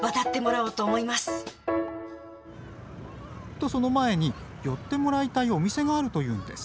とその前に寄ってもらいたいお店があるというんです。